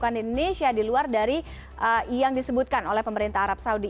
bukan di indonesia di luar dari yang disebutkan oleh pemerintah arab saudi